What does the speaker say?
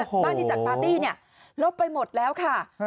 บ้านที่จัดปาร์ตี้เนี่ยลบไปหมดแล้วค่ะ